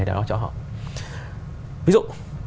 đó cho họ ví dụ